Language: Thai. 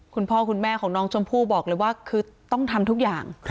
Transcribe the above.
คุณพ่อคุณแม่ของน้องชมพู่บอกเลยว่าคือต้องทำทุกอย่าง